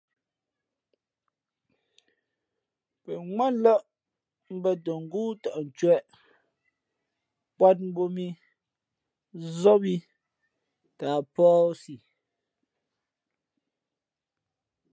Pαŋwátlάʼ bᾱ tα ngóó tαʼ ncwēʼ, nkwāt mbōb mǐ, nzób ī tα a pᾱαsi.